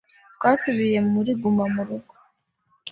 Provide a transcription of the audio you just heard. twasubijwe muri guma mu rugo